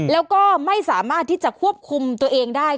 แล้วก็ไม่สามารถที่จะควบคุมตัวเองได้